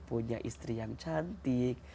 punya istri yang cantik